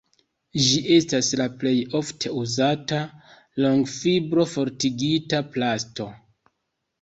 Ĝi estas la plej ofte uzata longfibro-fortigita plasto.